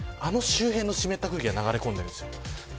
あの周辺の湿った空気が流れ込んでいるんです。